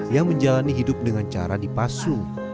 yang menjalani hidup dengan cara dipasung